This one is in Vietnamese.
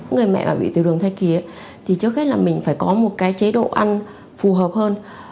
người mẹ mà bị tiểu đường thai kỳ thì trước hết là mình phải có một cái chế độ ăn phù hợp hơn